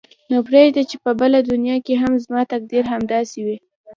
نو پرېږده چې په بله دنیا کې هم زما تقدیر همداسې وي.